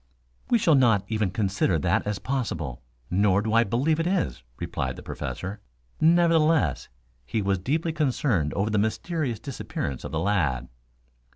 "We shall not even consider that as possible, nor do I believe it is," replied the Professor. Nevertheless, he was deeply concerned over the mysterious disappearance of the lad.